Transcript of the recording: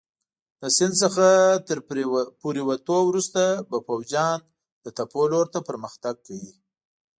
د سیند څخه تر پورېوتو وروسته به پوځیان د تپو لور ته پرمختګ کوي.